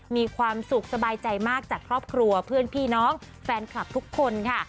มีความสุขสบายใจมากจากครอบครัวเพื่อนพี่น้องแฟนคลับทุกคนค่ะ